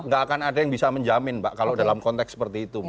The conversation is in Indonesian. gak akan ada yang bisa menjamin mbak kalau dalam konteks seperti itu